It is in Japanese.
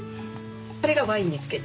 これがワインに漬けて。